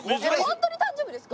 ホントに誕生日ですか？